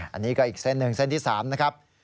อันนี้ก็อีกเส้นหนึ่งเส้นที่๓นะครับ